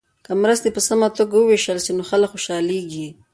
که مرستې په سمه توګه وویشل سي نو خلک خوشحالیږي.